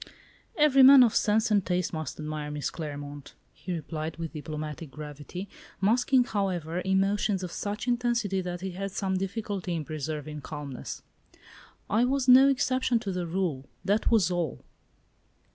"Every man of sense and taste must admire Miss Claremont," he replied with diplomatic gravity, masking, however, emotions of such intensity that he had some difficulty in preserving calmness. "I was no exception to the rule, that was all."